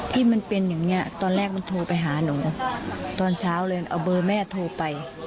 ที่มันเป็นอย่างนี้ตอนแรกมันโทรไปหาหนูตอนเช้าเลยเอาเบอร์แม่โทรไป